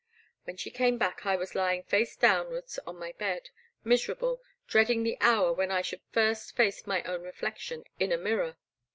When she came back, I was lying face down wards on my bed, miserable, dreading the hour when I should first face my own reflection in a mirror.